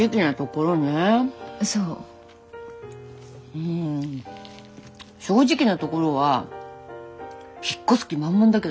まぁ正直なところは引っ越す気マンマンだけどね。